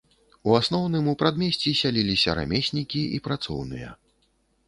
У асноўным у прадмесці сяліліся рамеснікі і працоўныя.